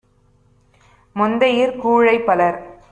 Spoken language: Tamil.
மொந்தையிற் கூழைப் - பலர்